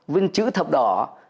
viên chữ thập đỏ